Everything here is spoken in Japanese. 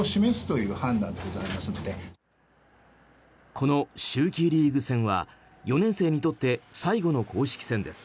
この秋季リーグ戦は４年生にとって最後の公式戦です。